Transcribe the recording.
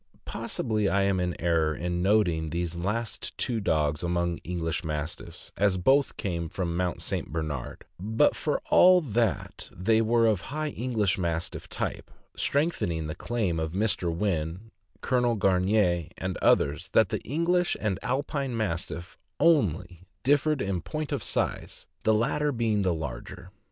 Possibly I am in error in noting these last two dogs among English Mastiffs, as both came from Mount St. Bernard; but, for all that, they were of high English Mastiff type, strengthening the claim of Mr. Wynn, Colonel Gamier, and others, that the English and Alpine Mastiff only differed in point of size, the latter being the larger.